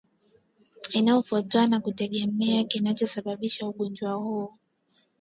Inatofautiana kutegemea kinachosababisha ugonjwa huu